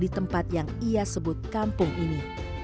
di tempat yang ia sebut kampung ini